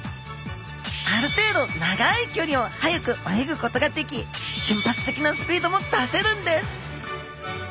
ある程度長いきょりを速く泳ぐことができ瞬発的なスピードも出せるんです